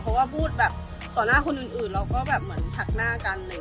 เพราะว่าพูดต่อหน้าคนอื่นเราก็เหมือนถักหน้ากัน